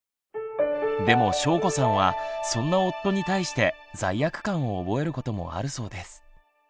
でも翔子さんはそんな夫に対して罪悪感を覚えることもあるそうです。